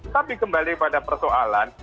tapi kembali pada persoalan